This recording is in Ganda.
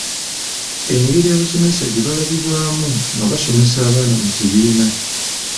Engeri abasomesa gye baalabibwamu nga basomesa abaana mu kibiina.